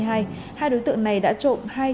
hai đối tượng này đã trộm hai